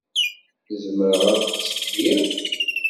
Zemreɣ ad ttekkiɣ?